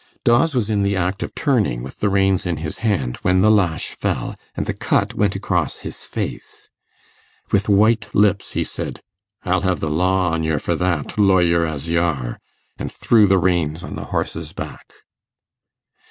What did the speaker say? Dawes was in the act of turning with the reins in his hand when the lash fell, and the cut went across his face. With white lips, he said, 'I'll have the law on yer for that, lawyer as y'are,' and threw the reins on the horse's back.